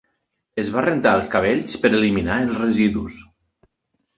Es va rentar els cabells per eliminar els residus.